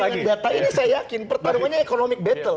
dengan data ini saya yakin pertarungannya economic battle